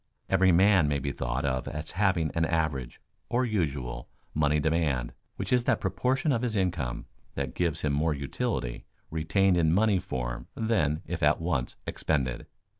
Every man may be thought of as having an average, or usual, money demand, which is that proportion of his income that gives him more utility retained in money form than if at once expended.